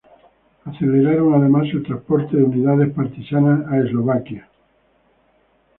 Aceleraron además el transporte de unidades partisanas a Eslovaquia.